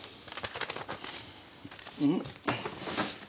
うん？